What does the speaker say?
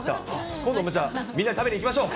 今度、じゃあ、みんなで食べに行きましょう。